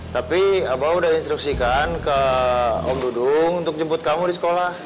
tapi abah udah instruksikan ke om dudung untuk jemput kamu di sekolah